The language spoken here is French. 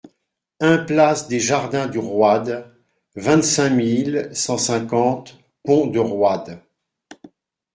un place des Jardins du Roide, vingt-cinq mille cent cinquante Pont-de-Roide